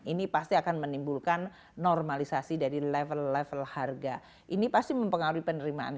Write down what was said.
ini pasti akan menimbulkan normalisasi dari level level harga ini pasti mempengaruhi penerimaan